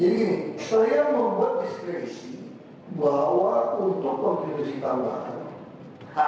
jadi gini saya membuat diskresi bahwa untuk mempunyai tambahan